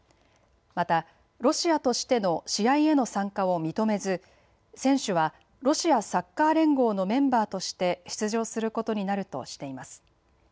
またロシアとしての試合への参加を認めず選手はロシアサッカー連合のメンバーとして出場することになるとしています。